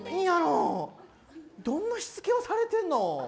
どんなしつけをされてるの。